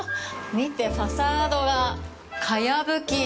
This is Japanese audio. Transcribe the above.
見て、ファサードがかやぶき！